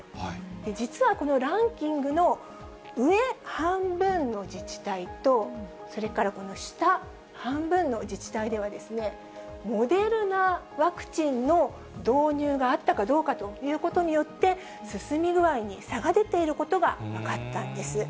実はこのランキングの上半分の自治体と、それからこの下半分の自治体では、モデルナワクチンの導入があったかどうかということによって、進み具合に差が出ていることが分かったんです。